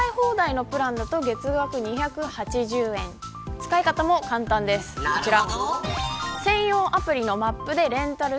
使い方も簡単ですこちら。